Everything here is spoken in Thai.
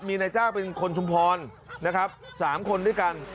มีนายจ้างเป็นคนชุมพรนะครับ๓คนด้วยกัน